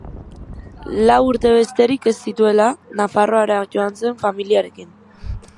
Lau urte besterik ez zituela, Nafarroara joan zen familiarekin.